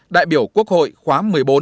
đại biểu quốc hội khóa một mươi bốn một mươi năm